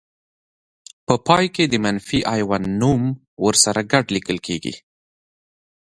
په پای کې د منفي آیون نوم ورسره ګډ لیکل کیږي.